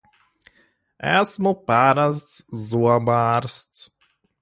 Esmu parasts zobārsts!